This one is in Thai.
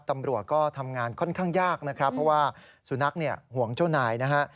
ตำรวจก็ทำงานค่อนข้างยากนะครับเพราะว่าสุนัขเนี่ยห่วงเจ้านายนะฮะ